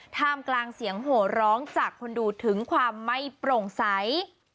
ท่ามกลางเสียงโหร้องจากคนดูถึงความไม่โปร่งใส